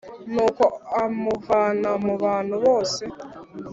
Nuko amuvana mu bantu bose